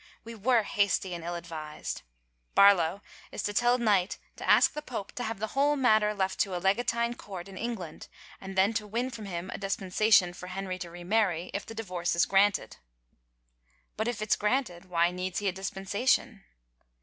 We were hasty juid ill advised. Barlow is to tell Knight to ask the pope to have the whole matter left to a legatine court in England and then to win from him a dispensation for Henry to remarry if the divorce is granted." " But if it's granted, why needs he a dispensation